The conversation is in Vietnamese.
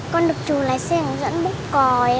con được chú lái xe hướng dẫn bút cò